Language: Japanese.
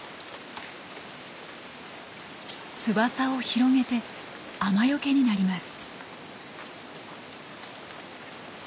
翼を広げて雨よけになります。